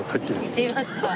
行ってみますか。